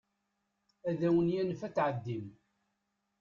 Ad awen-yanef ad tɛeddim.